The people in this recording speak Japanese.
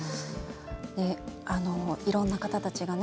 いろんな方たちがね